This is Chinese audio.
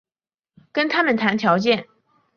跟他们谈条件